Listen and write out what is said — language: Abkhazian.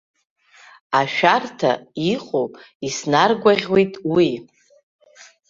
Ашәарҭа иҟоу иснаргәаӷьуеит уи.